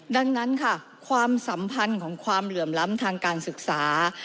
ดังนั้นค่ะความสัมพันธ์ของความเหลื่อมล้ำทางการศึกษา